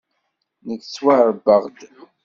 Nekk ttwaṛebbaɣ-d.